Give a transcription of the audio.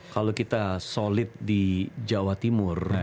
kalau kita solid di jawa timur